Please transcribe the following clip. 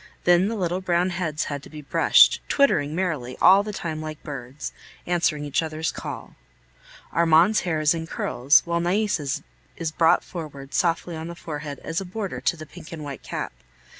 Then the little brown heads had to be brushed, twittering merrily all the time like birds, answering each other's call. Armand's hair is in curls, while Nais' is brought forward softly on the forehead as a border to the pink and white cap.